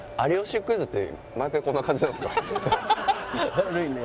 悪いね。